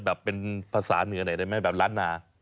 แบบเป็นภาษาเหนือหน่อยได้ไหมแบบล้านนา